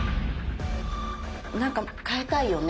なんか変えたいよね。